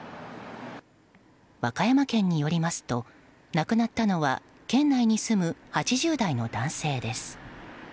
和歌山県によりますと亡くなったのは県内に住む８０代の男性です。